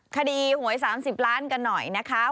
คดีหวย๓๐ล้านกันหน่อยนะคะ